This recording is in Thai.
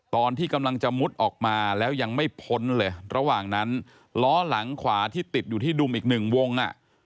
ตอนที่กำลังจะมุดออกมาแล้วยังไม่พ้นเลยระหว่างนั้นล้อหลังขวาที่ติดอยู่ที่ดุมอีกหนึ่งวงอ่ะ